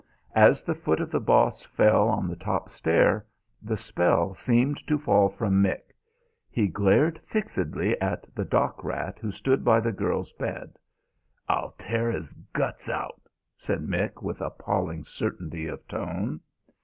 As the foot of the Boss fell on the top stair, the spell seemed to fall from Mick. He glared fixedly at the dock rat who stood by the girl's bed. "I'll tear his guts out," said Mick with appalling certainty of tone.